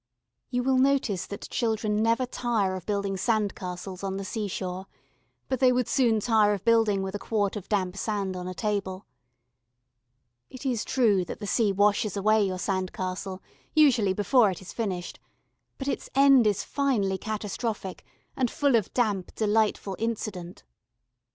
You will notice that children never tire of building sand castles on the sea shore but they would soon tire of building with a quart of damp sand on a table. It is true that the sea washes away your sand castle, usually before it is finished, but its end is finely catastrophic and full of damp delightful incident.